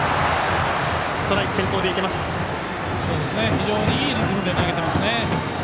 非常にいいリズムで投げてます。